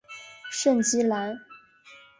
圣基兰。